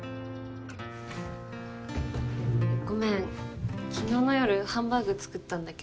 ごめん昨日の夜ハンバーグ作ったんだけど。